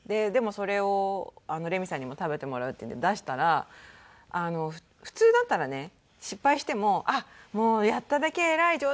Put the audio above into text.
でもそれをレミさんにも食べてもらうっていうんで出したら普通だったらね失敗しても「もうやっただけ偉い！